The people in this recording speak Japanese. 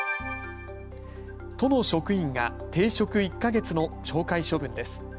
都の職員が停職１か月の懲戒処分です。